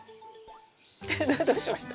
どどうしました？